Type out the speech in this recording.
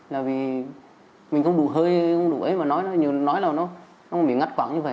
là vì mình không đủ hơi không đủ ấy mà nói là nó bị ngắt quẳng như vậy